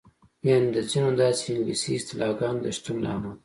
یعنې د ځینو داسې انګلیسي اصطلاحګانو د شتون له امله.